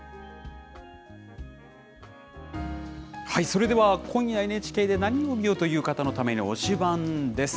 それでは、今夜、ＮＨＫで何を見ようという方のために推しバンです。